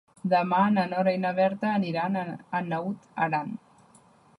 Demà na Nora i na Berta aniran a Naut Aran.